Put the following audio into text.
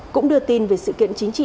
cũng đưa tin về sự kiện chính trị